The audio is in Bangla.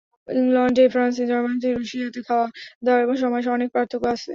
ইংলণ্ডে, ফ্রান্সে, জার্মানীতে, রুশিয়াতে খাওয়া-দাওয়ায় এবং সময়ে অনেক পার্থক্য আছে।